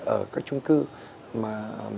ở các trung cư mà